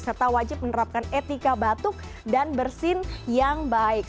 serta wajib menerapkan etika batuk dan bersin yang baik